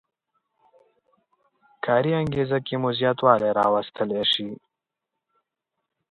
کاري انګېزه کې مو زیاتوالی راوستلی شي.